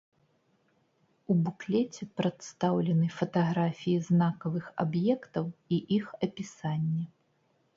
У буклеце прадстаўлены фатаграфіі знакавых аб'ектаў і іх апісанне.